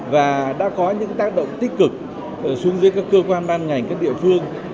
và đã có những tác động tích cực xuống dưới các cơ quan ban ngành các địa phương